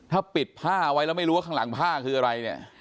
ถ้าปิดผ้าไว้แล้วไม่รู้ว่าข้างหลังผ้าคืออะไรเนี่ย